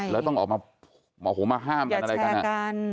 แล้วต้องออกมาห้ามกันอะไรกัน